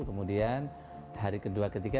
kemudian hari kedua ketiga